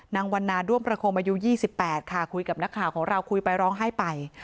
วันนาด้วมประคมอายุ๒๘ค่ะคุยกับนักข่าวของเราคุยไปร้องไห้ไป